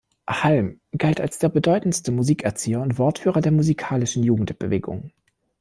Halm galt als der bedeutendste Musikerzieher und Wortführer der „Musikalischen Jugendbewegung“.